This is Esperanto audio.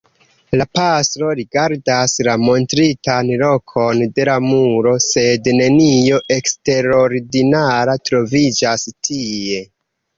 La pastro rigardas la montritan lokon de la muro, sed nenio eksterordinara troviĝas tie.